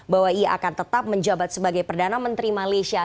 bahwa ia akan tetap menjabat sebagai perdana menteri malaysia